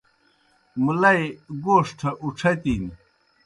مُلَئی گوݜٹھہ اُڇَھتِن۔